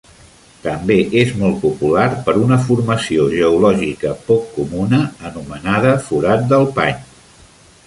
També és molt popular per una formació geològica poc comuna anomenada "forat del pany".